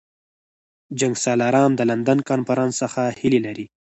جنګسالاران د لندن کنفرانس څخه هیلې لري.